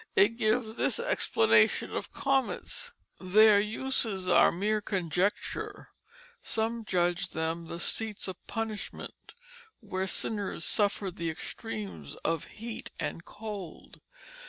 It gives this explanation of comets: "Their uses are mere conjecture. Some judge them the seats of punishment where sinners suffer the extremes of heat and cold.